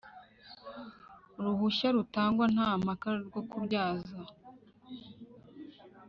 Uruhushya rutangwa nta mpaka rwo kubyaza